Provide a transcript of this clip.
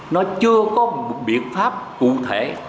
nó chưa có một biện pháp cụ thể